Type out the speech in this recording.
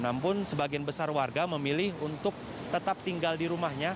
namun sebagian besar warga memilih untuk tetap tinggal di rumahnya